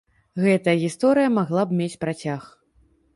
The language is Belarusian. Гэтая гісторыя магла б мець працяг.